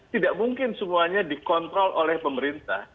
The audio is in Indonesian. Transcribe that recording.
tidak mungkin semuanya dikontrol oleh pemerintah